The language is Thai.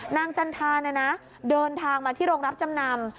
นางจันทาเดินทางมาที่โรงรับจำนำ